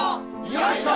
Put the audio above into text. よいしょ！